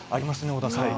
織田さん。